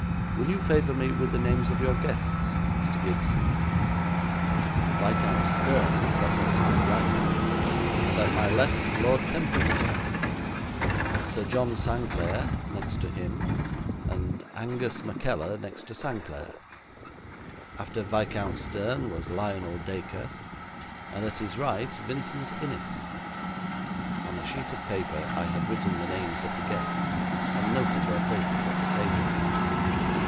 'Will you favour me with the names of your guests, Mr. Gibbes?' 'Viscount Stern sat at my right hand, and at my left Lord Templemere; Sir John Sanclere next to him, and Angus McKeller next to Sanclere. After Viscount Stern was Lionel Dacre, and at his right, Vincent Innis.' On a sheet of paper I had written the names of the guests, and noted their places at the table.